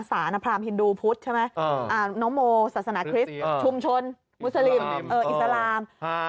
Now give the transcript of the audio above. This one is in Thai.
สารพรรมฮินดูพุทธน้องโมศาสนาคริสต์ชุมชนอิสลาม